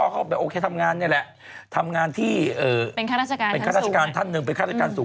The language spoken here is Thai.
คือลูกค้าคนนี้พูดใจเย็นสิ